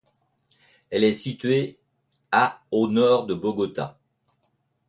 Elle est située à au nord de Bogota.